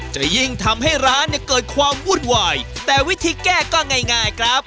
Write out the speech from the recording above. จะยิ่งทำให้ร้านเนี่ยเกิดความวุ่นวายแต่วิธีแก้ก็ง่ายครับ